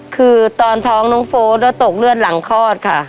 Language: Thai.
คือตอนท้องน้องโฟสแล้วตกเลือดหลังคลอดค่ะ